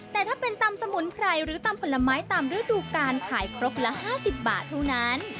แต่ถ้าเป็นตำสมุนไพรหรือตำผลไม้ตามฤดูการขายครบละ๕๐บาทเท่านั้น